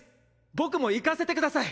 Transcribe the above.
僕も行かせてください！